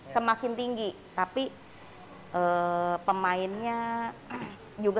semakin tinggi tapi pemainnya juga